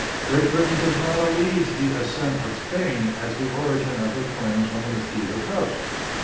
Great Britain does not allege the assent of Spain as the origin of her claims on the Mosquito Coast.